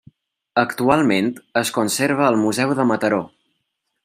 Actualment es conserva al Museu de Mataró.